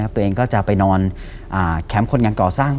ตัวเองก็จะไปนอนแคมป์คนงานก่อสร้าง